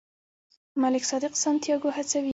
ملک صادق سانتیاګو هڅوي.